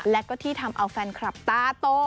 และก็ที่ทำเอาแฟนคลับตาโต